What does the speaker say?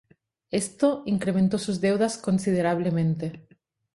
Esto incrementó sus deudas considerablemente.